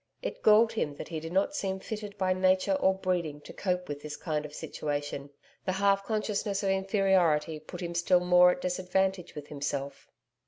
It galled him that he did not seem fitted by nature or breeding to cope with this kind of situation. The half consciousness of inferiority put him still more at disadvantage with himself.